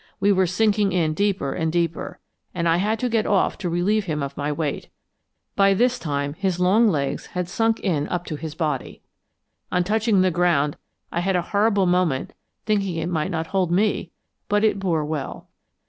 We were sinking in deeper and deeper, and I had to get off to relieve him of my weight. By this time his long legs had sunk in up to his body. On touching the ground I had a horrible moment thinking it might not hold me; but it bore well.